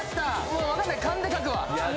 もう分かんない勘で書くわいや